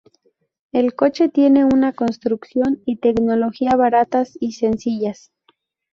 El coche tiene una construcción y tecnología baratas y sencillas.